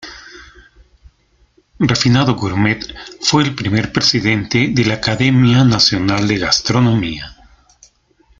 Refinado "gourmet", fue el primer presidente de la Academia Nacional de Gastronomía.